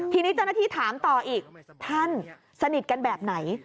ทีนี้เจ้าหน้าที่ถามต่ออีกท่านสนิทกันแบบไหน